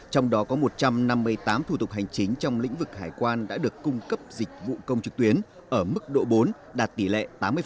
trong đó có một trăm năm mươi tám thủ tục hành chính trong lĩnh vực hải quan đã được cung cấp dịch vụ công trực tuyến ở mức độ bốn đạt tỷ lệ tám mươi